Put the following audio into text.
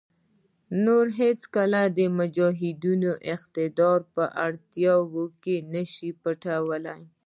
نور هېڅوک د مجاهدینو اقتدار په تیاره کې نشي پټولای.